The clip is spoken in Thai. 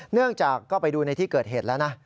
เนื่องจากก็ไปดูในที่เกิดเหตุแล้วนะ